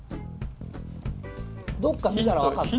どっか見たら分かる？